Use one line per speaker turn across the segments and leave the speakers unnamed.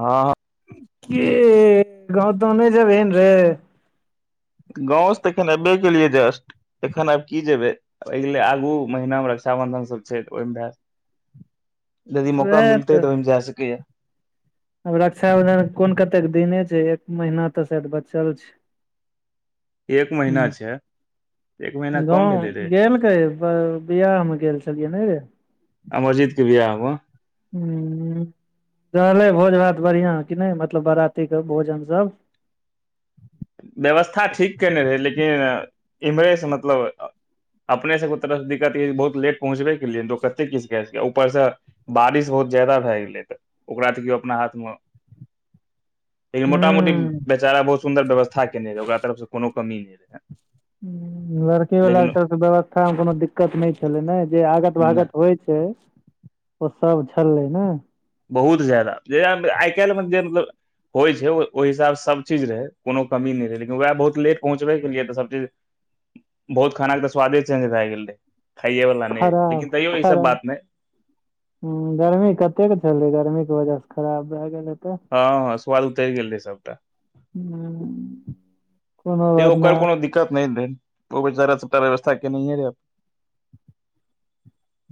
हँ ह
की गाँव तौव नहि जेबही न रे
गांवस तऽ एखने एबे केलियै जस्ट एखन आब की जेबै गेले आगू महिनामे रक्षाबन्धन सब छै ओहिमे भए यदि मौका मिलतै तऽ ओहि मे जा सकैएा
आब रक्षाबंधन कोन कतेक दिने छै एक महीना तऽ सायद बचल छै
एक महिना
ह
छै एक महीना कम
गाँव
भेलै रे
गेलकै बिआहमे गेल छलियै नै रे
अमरजितके बिआह मे
ह रहलै भोज भात बढ़िआं कि नहि मतलब बरातीक भोजन सब
व्यवस्था ठीक कयने रहै लेकिन इम्हरेसँ मतलब अपने सबके तरफ दिक्कत य बहुत लेट पहुँचे केलियै तऽ ओ कते किछ करतै ऊपरसँ बारिश बहुत ज्यादा भए गेलै तऽ ओकरा तऽ कियओ अपना हाथमे लेकिन मोटा मोटी
हूँ ह
बेचारा बहुत सुन्दर व्यवस्था केने रहै ओकरा तरफसँ कोनो कमी नहि रहै
हू लड़की वाला के
लेकिन
तरफ से व्यवस्था मे कोनो दिक्कत नहि छले ने जे आगत
नहि
भागत होइ छै
[unintelligible]
ओ सब छललै न
बहुत जादा जे आइकल म मतलब होइ छै ओहि हिसाब सब चीज रहै कोनो कमी नहि रहै लेकिन वएह बहुत लेट पहुँचबे के लिए तऽ सब चीज बहुत खानाक तऽ स्वादे चेंज भए गेल रहे खाइयए वालला नहि रहै
खराब
लेकिन तैयो ई सब
खराब
बात नहि
ह गर्मी कतेक छलै गर्मी के वजह से खराब भए गेलै तऽ
हँ हँ स्वाद उतरि गेल रहै सभटा
[inaudible] ह कोनो
तैयो
बात
ओकर
नहि
कोनो दिक्कत नहि रहै ओ बेचारा सब व्यवस्था केनैये रहे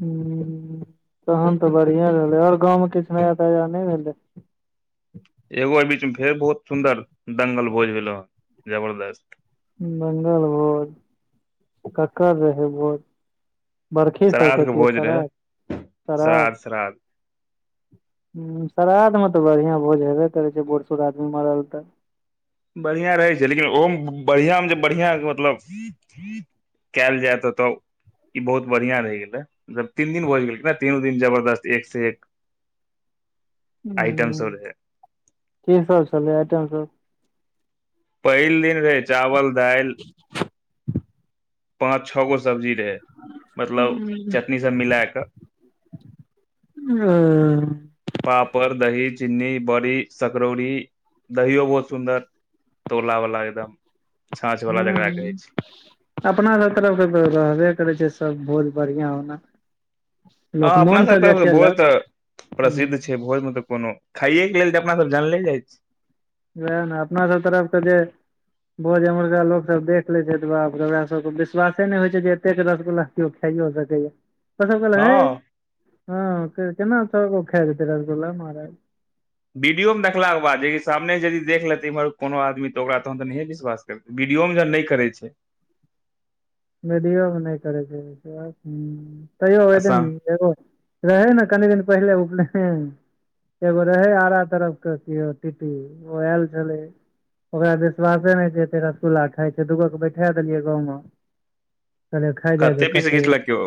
ह तहन तऽ बढ़िया रहलै आओर गाँवमे किछु नया ताजा नहि भेलै
एगो एहि बीच में फेर बहुत सुंन्दर दंगल भोज भेलौ हन जबरदस्त
दंंगल भोज ककर रहै भोज बर्खी सब
श्राद्ध के
ककरो
भोज
शरा
रहै
शराद
श्राद्ध श्राद्ध
श्राध मे तऽ बढ़ियां भोज हेबे करै छै बूढ़ सूढ़ आदमी मरल तऽ
बढ़िआं रहै छै लेकिन ओहोमे बढ़िआ मे जे बढ़िआं मतलब क‌एल जाय तऽ तऽ ई बहुत बढ़िया रहि गेले मतलब तीन दिन भोज केलकै न तीनू दिन जबरदस्त एक से एक आइटम
हूँ
सब रहै
के सब छलै आइटम सब
पहिल दिन रहै चावल दालि पाँच छओ गो सब्जी रहे मतलब चटनी सब मिला के
ओ
पापड़ दही चीन्नी बड़ी सकरौरी दहीयो बहुत सुन्दर तोला वाला एकदम छाँछ वाला जकरा कहै
हूँ।
छी
अपना घर तरफके तऽ रहबे करै छै सब भोज बढ़िआँ ओना
हँ अपना सब तरफ भोज
केलक
तऽ
हूँ
प्रसिद्ध छै भोज मे त कोनो खाइ के लेल त अपना सब जानले जाइत छै
वएह ने अपना सभ तरफ त जे भोज मुर्गा लोक सब देख ले छै बाप सब विश्वासे ने होइ छै जे एते रसगुल्ला कयो खाये सकैय ये तखन कहलक
हँ
हे हँ केना खा जेतैय रसगुल्ला महाराज
वीडियो मे देखाक के बाद जे सामने जदि देखेै इमहर कोनो आदमी त ओकरा तहन त नहिये विश्वास वीडियो मे जहन नहि करै छै
वडियोमे नहि करै छै ह तैयो ओहिदीन
आसाम
एगो रहै ने कनि दिन पहिले उपनयन एगो रहै आरा तरफ के अथी टिटी ओ आयल छलै ओकरा विश्वासे नहि छै अते रसगुल्लाा खाइ छै दूगो के बैठा देलियै गाँव मे कहलियै खाय जाय जो
कते पीस घीचलकय ओ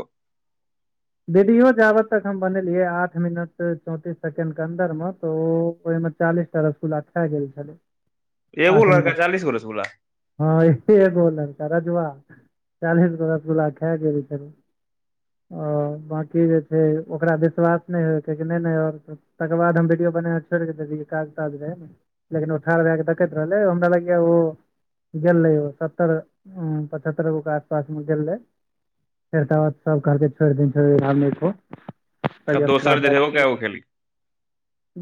वीडियो जाबत तक हम बनेलियै आठ मिनट चौंतीस सेकेंड के अन्दर मे त ओ ओहि मे चालीस टा रसगुल्ला खा गेल छले
एगो लड़का चालीस गो रसगुल्ला
हँ एगो लड़का रजुवा चालीस गो रसगुल्ला खा गेल छलै ओ बाकी जे छै ओकरा विश्वास नहि हो छै नहि नहि आओर तकर बाद हम वीडियो बने छोड़ के देै काज ताज रहै ने लेकिन ओ ठार भएके देखैत रहलै हमरा ले के ओ गेले ओ सत्तर पचहत्तर रो के आसपास मे गेल रहे फेर तकर बाद सब कहलके छोड़ दिही आब नए खो
आ
पर अपना
दोसर जे रहै ओ कै
[unintelligible]
गो खेलकै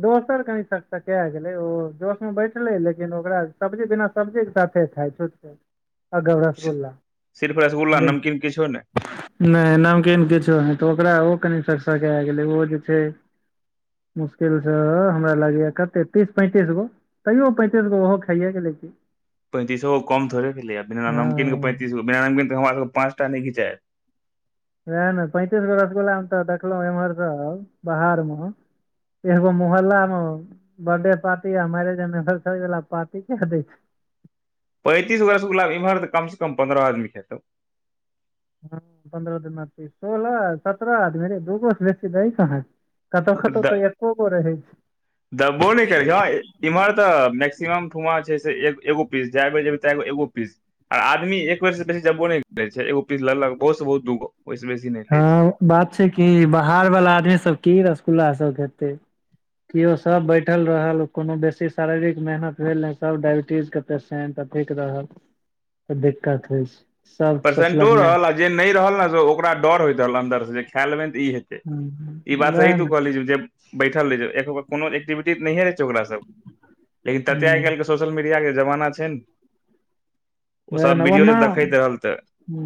दोसर कनि सक सकए गेलै ओ जोश मे बैठले लेकिन ओकरा सब्जी बिना सब्जी साथे खाय छूछे अगब रसगुल्ला
सिर्फ रसगुल्ला नमकीन किछुो ने
नय नमकीन किछो नय त ओकरा ओ कनि सक सकै गेलै ओ जे छै मुश्किल सँ हमरा लागैया कते तीस पैंतीस गो तैयो पैंतीस गो ओहो खाइये गेले की
पैंतीसो कम थोरे भेले बिना
हँ
नमकीन पंतीस गो बिना नमकीन के हमरा सबके पाँचटा नहि घिचायत
वएह ने पैंतीस गो रसगुल्ला मे त देखलहुं इम्हर सब बाहर मे एगो मोहल्ला मे बर्थडे पार्टी आ मैरेज एनिवरसरी पार्टी के देय छै
पैंतीसगो रसगुल्ला एम्हर तऽ कमसँ कम पन्द्रह आदमी खेतौ
हँ पन्द्रह दिनमे अथी सोलह सत्रह आदमी रे दूगो स बेसी देय कहाँ छै कतो कतो त एको गो रहै छै
देबो नय केलके इम्हर त मैक्सिमम ठुआ छै से एगो पीस जे बेर जेबय तै गो एगो पीस आ आदमी एक बेर से बेसी जबो नहि करै छै एगो पीस लेलक बहुत से बहुत दूगो ओहिस बेसी नहि ले छै
हँ बात छै किी बाहर वाला आदमी सब की रसगुल्ला सब खेते केओ सब बैठल रहल कोनो बेसी शारीरिक मेहनत भेल नहि सब डायबिटीज के पेसेंट अथिक रहल तऽ दिक्कत होइ छै सब
पेसेंटो
सोचलक नहि
रहल आ जे नहि रहल ने ओकरा डर होइत रहल अंन्दर से जे खा लेबै तऽ ई हेतै ई बात सही
वएह
तू
ने
कहलीए जे बैठल रहै छै कोनो एक्टिविटी नहि रहै छै ओकरा सब लेकिन तते आइ
ह
काल्हि के सोशल मिडिया कऽ जमाना छैय नऽ
वएह ने
सब विडियो पर
ओना
दखेत तऽ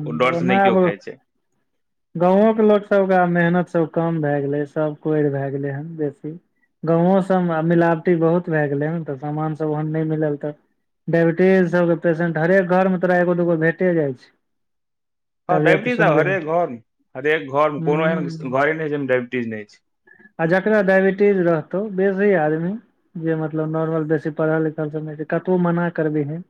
ओ डरसँ नहि केओ खाइ छै
गाँवोकके लोकसभके मेहनत सभ कम भए गेलै सभ कोरिि भए गेलै हन बेसी गाँवो सबमे मिलावटी बहुत भए गेलै हन तऽ सामान सब ओहन नहि मिलल तऽ डाायबिटीजसभके पेशेंट हरेक घरमे तोरा एगो दूगो भेटे जाइ छै
हँ
तबियत
डाायबिटीज आब
सुनबे
हरेक घर हरेक घर मे
हूं
कोनो एहन घरे छै जामे डायइबिटीज नहि छै
आ जकरा डायबिटीज रहतौ बेसी आदमी जे मतलब नॉर्मल बेसी पढ़ल लिखल सब नहि छै कतबो मना करबीहे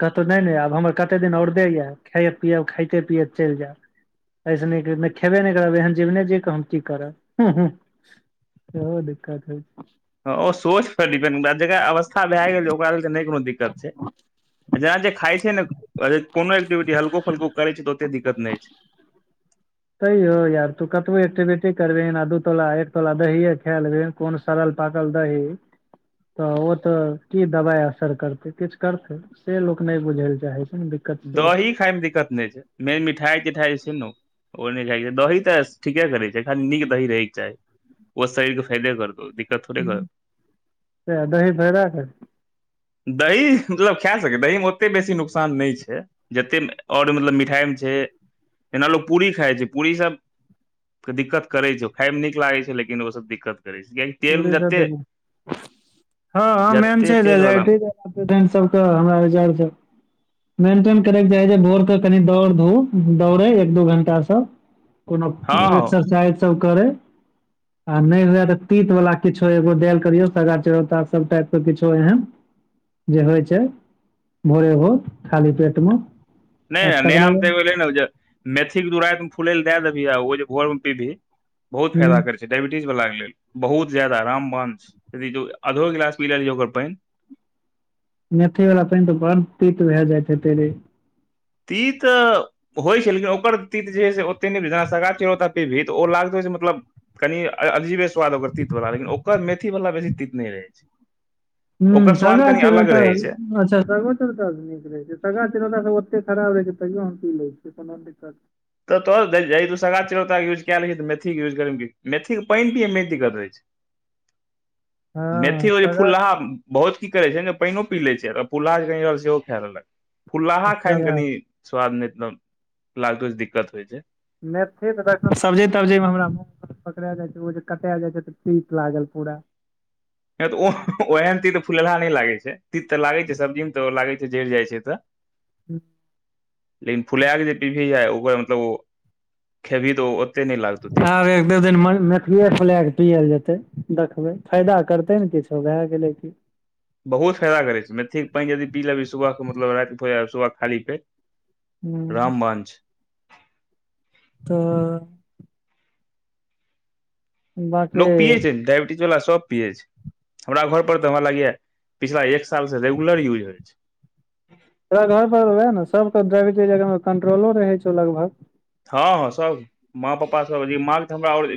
कतहु नहि नहि आब हमर कते दिन औरदे यए खायब पियअब खाइते पियैत चलि जायब अऐस नहि खेबे नहि करब एहन जिबने जी कऽ हम की करब सेहो दिक्कत होइ छैय
ओ सोच पर डिपेंड जेरा अवस्था भए गेल ओकरा लेल नहि दिक्कत छै जेना जे खा ने कोनो एक्टिविटी हल्को फल्को करै छै तऽ ओते दिक्कत नहि होय छै
तैयौ यार तू कतबो एक्टिविटी करबेह आ दू तोला एक तोला दही खा लेबही कोन सड़ल पाकल दही तऽ ओ तऽ की दबाइ असर करतै किछु करतै से लोक नहि बुझै लए चाहै छै नऽ
दही खाय मऽ दिक्कत नहि छै मेन मिठाइ तिठाई छै ने ओ नहि खाय कऽ चाहि दही तऽ ठीके करै छै खाली नीक दही रहेके चाही ओ शरीर कऽ फैयदे करतो दो
से दही फैयदा
दही मतलब खा सकै दहीमे ओते बेसी नुकसान नहि छै जतेक आओर मतलब मिठाइमे छै जेना लोक पूरी खाइ छै पूरीसभ दिक्कत करे छै खााय मे नीक लागे छै लेकिन ओ सब दिक्कत करे छै तेल मे
पूरी
जते
[unintelligible] हँ हँ मेन
जते
छैय जे
तेल वला
्रें सबके हमरा विचार सँ मेंटेन करयके चाही छै भोर के कनि दौड़ धूप दौड़े एक दू घं्टाास सब कोनो
हँ हँ
एक्सरसाइज सब करै आ नहि हुए तऽ तीत वालला किछो एगो देल करियऔ सगार चरौता सब टाइप के किछो एहन जे होइ छै भोरे भोर खाली पेटमे
नहि नयामे तऽ एे ने जे मेथीक के द रातिमे फूलै लऽ दए देबही आ ओ जे भोर मे पीबही बहुत
हूँ
फायदा कर छै डायबिटीज वाला के लेल बहुत ज्यादा रामवाण छैय आधो गिलास पी लिय ओकर पानि
मेथी वालला पानि तऽ बड़ तीत भए जाइत हेतेरे
तीत होइ छै लेकिन ओकर तीत जे होय से ओतेक नहि जे स गा पीभी तऽ ओ लागतै से मतलब कनी अजीबे स्वाद ओकर तितवला लेकिन ओकर मेथीवला बेसी तित नहि रहै छै
ह
ओकर स्वाद
सगर
कनि
छै न
अलग
तऽ
रहै छै
अच्छा सरवन नीक रहै छै तगा चिरेता सब ओते खराब रहे छै तैयो हम पी लै छिय कोनो दिक
तऽ तू सगा चिरौता यूज क लै छ त मेथी के यूज करै मे कि दिक्कत मेथी के पैन पियए मे दिक्कत रहै छै
हँ
मेथियो जे
सगा
फुलहा
चिरौंता,
बहुत की करै छै जे पैनो पी लै छै फुल्हा जे कनि रहल सेहो खा लेलक फुल्लाहा खायमे
सगा
कनि स्वाद नै [unintelligible] लागतो दिक्कत होइ छै
मेथी तऽ देखलहुँ सब्जी तब्जीमे हमरा म पकड़ा जाइ छै ओ जे कटेए जाइ छै तऽतित लागल पूरा
ओहन तीत फुलहा नै लागे छै तीत तऽ लागे छै सब्जी मे त लागे छै जैर जाय छै तऽ [inaudible]
[unintelligible]
लेकिन फुला के जे पिबही ह ओकरा मतलब ओ खेबही तऽ ओ ओते नहि लागतौ
ह
तीत
आब एक दू दिन मे उहे फुलाकेऽ पिल जेतै देखबै फायदा करतै ने किछो भए गेलै कि
बहुत फायदा करै छै मेथीके पैन जे यदि पी लेही सुबह मतलब [unintelligible] सुबहके खाली पेट
हूँ
रामबान छै
तऽ
लोक पियै
बाँकी
छै डायबीटीस वलाा सब पियै छै हमरा घर पर तऽ हमरा लागै या पिछला एक साल से रेगुलर यूज होय छै
तोर घर पर वेब न ‌डायबिटिज सब कंट्रोलो रहै छौ लगभग
हँ सभ माँ पापा सब मा क तऽ हमरा आओर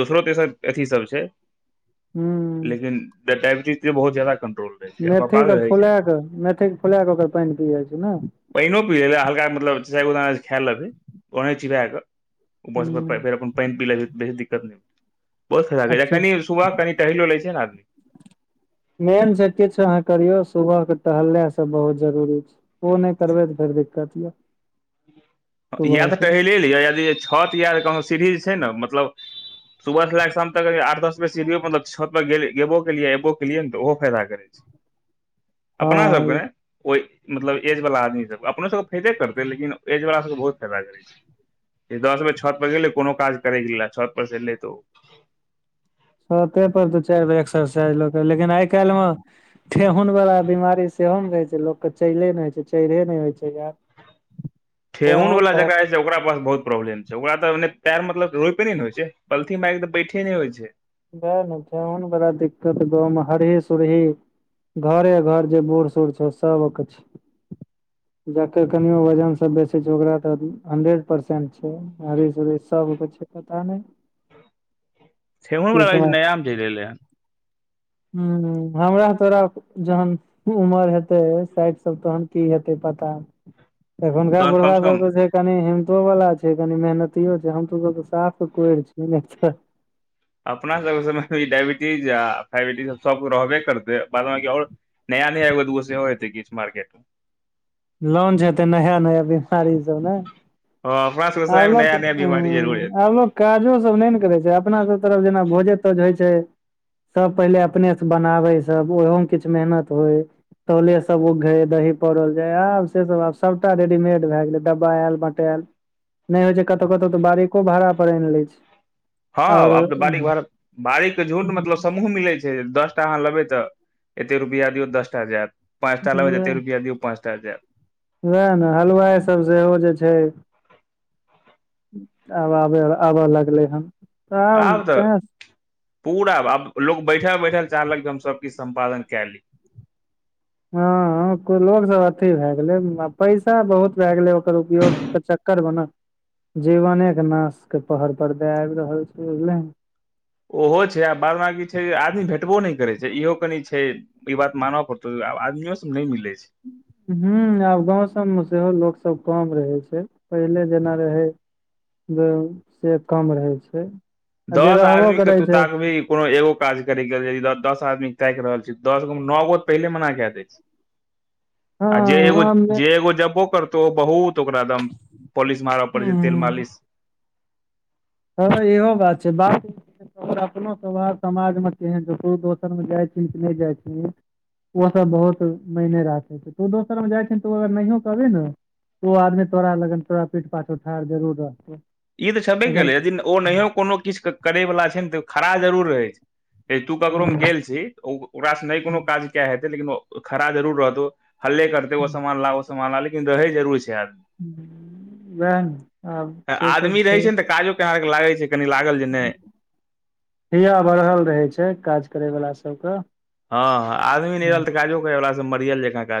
दोसरो तेसर अथी सब छै
हुॅं
लेकिन डायबीटीज त बहुत जादा कंट्रोल रहै छै
मेथी
पापा
के
रहै छै
फुला क मेथी के फुला क ओकर पैन पी जाइ छी ने
पैनिओ पी ल लेलए हल्का मतलब चारिगोदाना खेए लेबै ओनाहि चिबा कऽ फेर अपन पैन पी लेलौ दिक्कत नै बहुत‌
अच्छा
खराबी [unintelligible] [unintelligible] तहलो लै छै ने आदी
मेन छै किछ अहाँ करियौ सुबह के टहलनाईसब बहुत जरूरी छै ओ नै करबै तऽ फेर दिक्कत यऽ
या
सुबह
तऽ
के
टहीलिये लिअ यदि छत या कहनो सीढ़ी जे छै ने मतलब सुबह ल कऽ शाम तक आठ दस बजे सीडीयो मतब छत गएबो केलियए एबो केलियै ने तऽ ओहो फायदा करै छै अपना सबके
हँ
नै ओहि मतलब एज वला आदमी सबके अपनो सबके फायदे करतै लेकिन एज वला सबके बहुत फायदा करै छै दस मे छत पर गेलै कोनो काज करैके छत पर सेै तऽ ओ
छते पर दु चैर बेर एक्सरसाइज लेकिन आइ कैल मे ठेहुन वालला बीमारी सेहोमे रहै छै लोकके चले नै होइ छै चढ़ए नै होइ छै यार
ठेहुन वला जकरा ओकरा पास बहुत प्रॉब्लम छै ओकरा तऽने पैर मतलब रोपे नहि ने होइ छै पलथी मैर तऽ बैठे नै होइ छै
वेह ने ठेहुन बड़ा दिक्कत गाँवमे हरही सुरही घरे घर जे बूढ़ सूढ़ छै सब के छै जकर कनियो वजन सब बेचे छै ओकरा तऽ हंड्रेड परसेंट छै हरही सुरही सबके छै पता नै
[unintelligible]
समय
नयामे चलै एलै हन
हुॅं हुॅं हमरा तोरा जहन उमर हेतै साठि साल तहन की हेतै पता एखननका
तहन
बुरभा
कम से
सब
कम
तऽ छै कनि हिमतो वालला छै कनि मेहनतियो छै हमो साफ कोरि छियै ने
अपना सबके समयमे डायइबिटीज या फइबिटीज सबक रहबे करतै बाद बी आओर नया नया आबैऽ सेहो एतै किु मार्केट मे
लॉन्च हेतै नया नया बीमारी सब ने
[unintelligible]
[unintelligible]
नया नया बीमारी जरूर एतै
काजो सब नहि ने करे छै अपना सब तरफ जेना भोजे तोज होइ छै सब पहिले अपने से बनाबे सब ओहो मे किछु मेहनत होइ तटौले सब उघे दही पौल जाय आब से सब आब सबटा रेडीमेड भए गेलैडब्बा आयल बटाएल नहि होइ छै कतहु कतहु तऽ बारीको भाड़ा पर आनि ले छै
हँ
आओर
आब तऽ बारिक भार बारिक झूड मतलब समूह मिलै छै दस टा अहाँ लेबै तऽ एते रुपआ दियौ दसटा जायत पाँचटा लेै जेते रुपआ दिय पाँचटा जाइत
वएह ने हलुवाइ सब सेहो जे छै आब आब आबऽ लगलै हन
आब तऽ पूरा आब लोग बैठल बैठल चाहलक क हम सब किछ सम्पादन क ली
हँ ह लोक सभ अथी भए गेलै पैसा बहुत भए गेलै ओकर उपयोगके चक्कर मे न जीवने के नाश के पहर पर दे आबि रहल छै बुझले-
ओहो छै आ बाद ब की छै आदमी भेटबो नहि करैत छै इहो कनि छै ई बात मनब पड़तौ आदमी सब नहि मिले छै
ह आब गाँंव सबमे सेहो लोक सब कम रहै छै पहिले जेना रहै से कम रहै छै आ जे
दस
रहबो
आदमी के
करै छै
तक़भी क भी कोनो एगो काज करे गेल दस आदमी ताकि रहल छै दस गो मे नओ गोऽ पहिले मना कए देै छै
हँ
आ जे एगो
आममे
जे एगो जबो करतौ बहुत ओकरा दम पॉलिश मारब पड़ छै तेल मालिश
हँ इहो बात छै बा अपनो सभाब समाज मे केहन ककरो दोसरमे जाइ छ कि नहि जाइथि ओ सब बहुत महने राते छै तू दोसर मे जाइ छ तू अगर नहियो कहबे ने तो ओ आदमी तोरा लग तोरा पीठ पाछ उठा जरुर रहतो
ई तऽ छेबे केले यदि ओ नहियो कोनो किछ करे वाला छै ने त खड़ा जरूर रहे छै अगर तू ककरो मे गेल छी ओकरा सँ नहि कोनो काज क हेतै लेकिन ओ खड़ा जरूुर रहतौ हल्ले करते ओ सामान ला ओ सामान ला लेकिन रहै जरुरर छै आदमी
वए न
ए आदमी रहै छैय ने तऽ काजो के आर के लागय छैय कनि लागल जे नहि
हिया बढ़ल रहै छैय काज करैवला सबके
हँ आदमी नहि
ह
रहल तऽ काजो करै वला सब मरियल जेकाँ काज